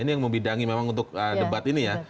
ini yang membidangi memang untuk debat ini ya